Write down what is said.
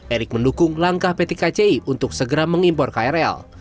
erick mendukung langkah pt kci untuk segera mengimpor krl